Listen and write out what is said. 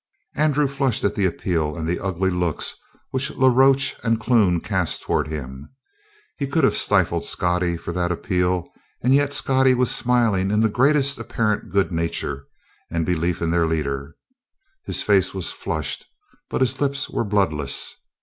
Andrew flushed at the appeal and the ugly looks which La Roche and Clune cast toward him. He could have stifled Scottie for that appeal, and yet Scottie was smiling in the greatest apparent good nature and belief in their leader. His face was flushed, but his lips were bloodless.